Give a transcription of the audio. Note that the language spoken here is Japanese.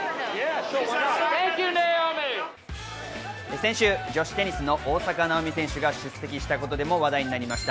先週、女子テニスの大坂なおみ選手が出席したことでも話題になりました